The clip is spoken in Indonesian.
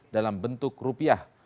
dalam bentuk rupiah